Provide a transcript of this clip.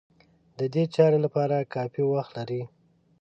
د دې چارې لپاره کافي وخت لري.